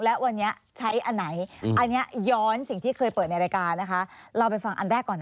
และวันนี้ใช้อันไหน